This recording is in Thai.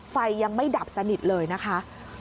ไฟยังไม่ดับสนิทเลยนะคะ